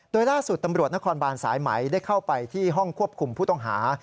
โดยล่าสุดตำรวจนครบานสายไหมได้เข้าไปที่ห้องควบคุมผู้ต้องหา